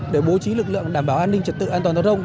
để bố trí lực lượng đảm bảo an ninh trật tự an toàn giao thông